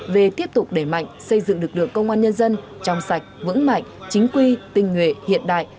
về tiếp tục đẩy mạnh xây dựng lực lượng công an nhân dân trong sạch vững mạnh chính quy tinh nguyện hiện đại